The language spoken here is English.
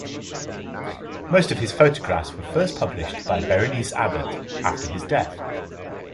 Most of his photographs were first published by Berenice Abbott after his death.